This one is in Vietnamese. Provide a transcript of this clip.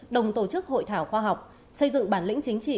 đồng tổ chức hội thảo khoa học xây dựng bản lĩnh chính trị